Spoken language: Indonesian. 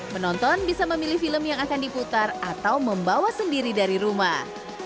menonton bisa memilih film yang akan diputar atau membawa sendiri dari rumah